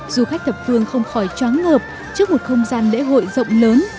du khách thập phương không khỏi chóng ngợp trước một không gian lễ hội rộng lớn